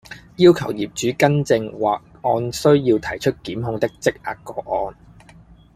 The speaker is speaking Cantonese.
要求業主更正或按需要提出檢控的積壓個案